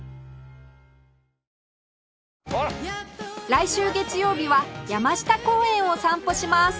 来週月曜日は山下公園を散歩します